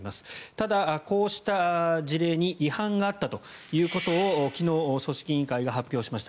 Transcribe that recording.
ただ、こうした事例に違反があったということを昨日、組織委員会が発表しました。